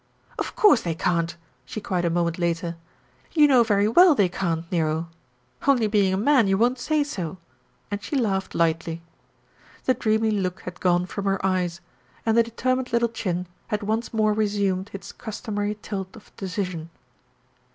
"Of course they can't!" she cried a moment later. "You know very well they can't, Nero, only being a man you won't say so," and she laughed lightly. The dreamy look had gone from her eyes, and the determined little chin had once more resumed its customary tilt of decision.